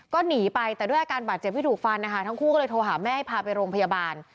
ก็หนีไปแต่ด้วยอาการบาดเจ็บที่ถูกฟันนะคะทั้งคู่ก็เลยโทรหาแม่ให้พาไปโรงพยาบาล